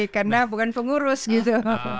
karena bukan pengurus gitu